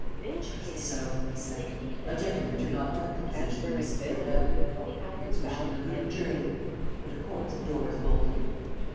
"Just so," he said. "My gentleman did not like the position and has cleared out. Here's wishing him a good journey.... And, of course, the door is bolted?...